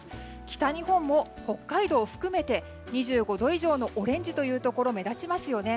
北日本も北海道含めて２５度以上のオレンジのところ目立ちますよね。